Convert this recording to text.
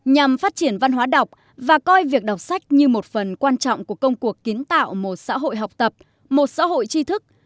nhằm phát triển văn hóa đọc và coi việc đọc sách như một phần quan trọng của công cuộc kiến tạo một xã hội học tập một xã hội tri thức